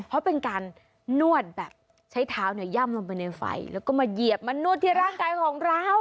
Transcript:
เพราะเป็นการนวดแบบใช้เท้าเนี่ยย่ำลงไปในไฟแล้วก็มาเหยียบมานวดที่ร่างกายของเรา